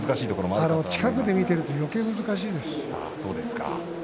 近いところで見ているとよけいに難しいです。